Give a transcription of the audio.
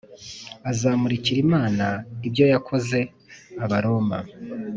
azamurikira Imana ibyo yakoze Abaroma